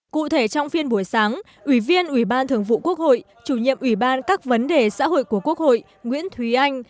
cụ thể trong phiên buổi sáng ủy viên ủy ban thường vụ quốc hội chủ nhiệm ủy ban các vấn đề xã hội của quốc hội nguyễn thúy anh